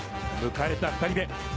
迎えた２人目。